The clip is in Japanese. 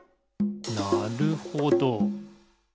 なるほど。